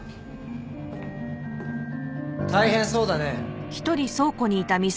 大変そうだね。